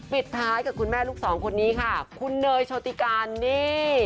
ปิดท้ายกับคุณแม่ลูกสองคนนี้ค่ะคุณเนยโชติการนี่